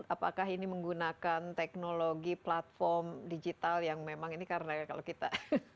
apakah ini menggunakan teknologi platform digital yang memang ini karena kalau kita